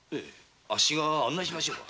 アッシが案内しましょう。